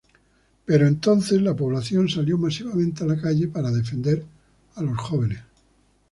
Pero entonces la población salió masivamente a la calle para defender a los jóvenes.